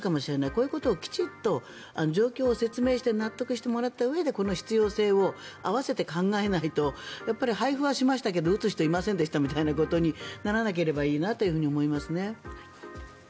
こういうことをきちんと状況を説明して納得してもらったうえで必要性を併せて考えないとやっぱり配布はしましたけど打つ人いませんでしたみたいなことにならなければいいなと思いますね。